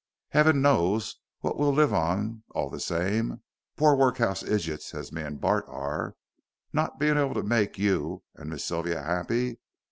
'Eaven knows what we'll live on all the same, pore wurkhus ijets as me an' Bart are, not bein' able to make you an' Miss Sylvia 'appy.